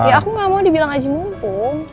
ya aku gak mau dibilang aji mumpung